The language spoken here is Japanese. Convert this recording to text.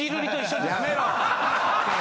やめろ。